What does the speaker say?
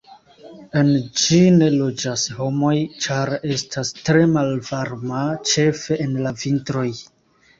En ĝi ne loĝas homoj, ĉar estas tre malvarma, ĉefe en la vintroj.